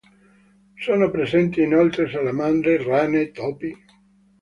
Sono presenti inoltre salamandre, rane, topi.